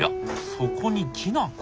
そこにきな粉？